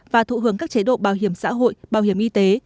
và thụ hướng các chế độ bảo hiểm xã hội bảo hiểm y tế